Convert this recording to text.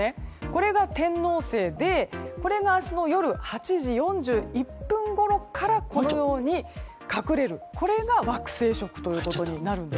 これが天王星でこれが明日の夜８時４１分ごろからこのように隠れるこれが惑星食です。